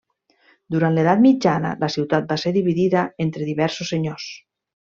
Durant l'Edat Mitjana la ciutat va ser dividida entre diversos senyors.